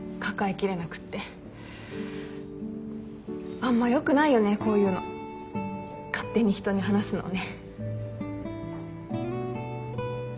あんまよくないよねこういうの勝手に人に話すのね。